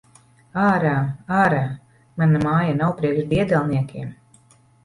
Ārā! Ārā! Mana māja nav priekš diedelniekiem!